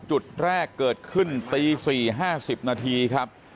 จุดแรกเกิดขึ้นตี๔๕๐นาทีครับ